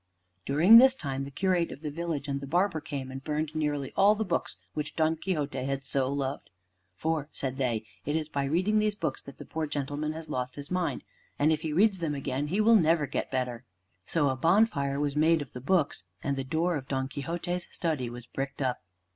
During this time the Curate of the village and the Barber came and burned nearly all the books which Don Quixote had so loved. "For," said they, "it is by reading these books that the poor gentleman has lost his mind, and if he reads them again he will never get better." So a bonfire was made of the books, and the door of Don Quixote's study was bricked up.